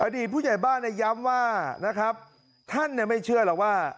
อดีตผู้ใหญ่บ้านย้ำว่านะครับท่านไม่เชื่อหรอกว่า